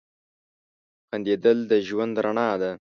• خندېدل د ژوند رڼا ده.